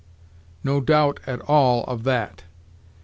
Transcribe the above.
_ No doubt at all of that!